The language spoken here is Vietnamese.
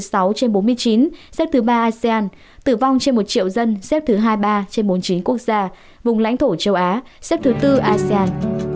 tổng số ca tử vong trên bốn mươi chín xếp thứ ba asean tử vong trên một triệu dân xếp thứ hai mươi ba trên bốn mươi chín quốc gia vùng lãnh thổ châu á xếp thứ bốn asean